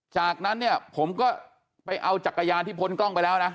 จากนั้นเนี่ยผมก็ไปเอาจักรยานที่พ้นกล้องไปแล้วนะ